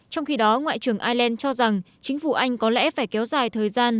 trong khi đó ngoại trưởng ireland cho rằng chính phủ anh có lẽ phải kéo dài thời gian